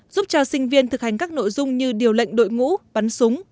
giúp cho sinh viên thực hành các nội dung như điều lệnh đội ngũ bắn súng